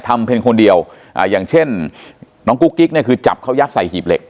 เพียงคนเดียวอ่าอย่างเช่นน้องกุ๊กกิ๊กเนี่ยคือจับเขายัดใส่หีบเหล็ก